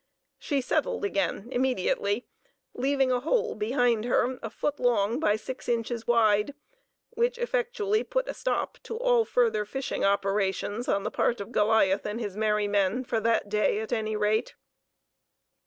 She settled again immediately, leaving a hole behind her a foot long by six inches wide, which effectually put a stop to all further fishing operations on the part of Goliath and his merry men for that day, at any rate.